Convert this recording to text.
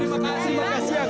terima kasih ya kang